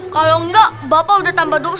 kalau nggak bapak udah tambah dosa tuh